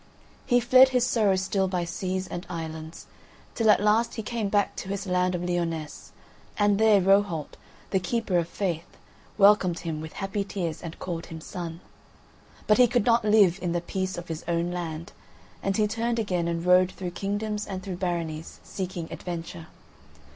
He fled his sorrow still by seas and islands, till at last he came back to his land of Lyonesse, and there Rohalt, the keeper of faith, welcomed him with happy tears and called him son. But he could not live in the peace of his own land, and he turned again and rode through kingdoms and through baronies, seeking adventure.